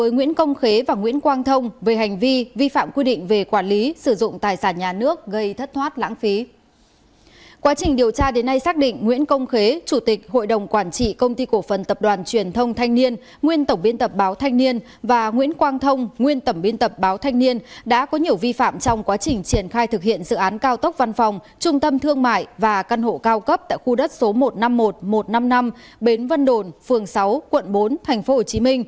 nguyễn quang thông nguyên tẩm biên tập báo thanh niên đã có nhiều vi phạm trong quá trình triển khai thực hiện dự án cao tốc văn phòng trung tâm thương mại và căn hộ cao cấp tại khu đất số một trăm năm mươi một một trăm năm mươi năm bến vân đồn phường sáu quận bốn tp hcm